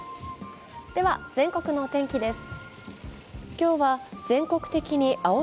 では、全国のお天気です。